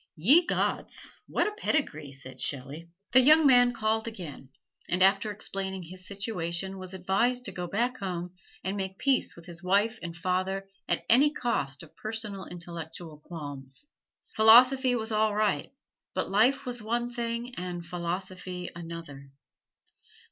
"Ye gods, what a pedigree!" said Shelley. The young man called again, and after explaining his situation was advised to go back home and make peace with his wife and father at any cost of personal intellectual qualms. Philosophy was all right; but life was one thing and philosophy another.